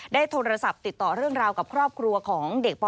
ได้โทรศัพท์ติดต่อเรื่องราวกับครอบครัวของเด็กป